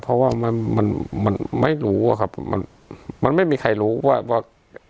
เพราะว่ามันมันไม่รู้อะครับมันมันไม่มีใครรู้ว่าว่า